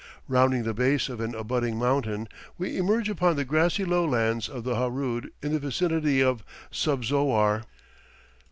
Rounding the base of an abutting mountain, we emerge upon the grassy lowlands of the Harood in the vicinity of Subzowar.